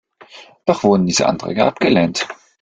Doch wurden diese Anträge abgelehnt.